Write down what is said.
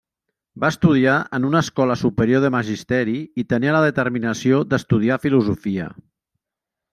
Va estudiar en una escola superior de magisteri i tenia la determinació d'estudiar filosofia.